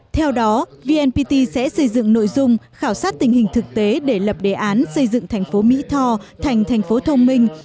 theo đó vnpt sẽ xây dựng nội dung khảo sát tình hình thực tế để lập đề án xây dựng thành phố mỹ tho thành thành phố thông minh